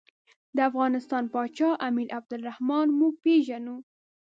د افغانستان پاچا امیر عبدالرحمن موږ پېژنو.